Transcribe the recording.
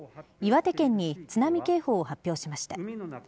岩手県に津波警報を発表しました。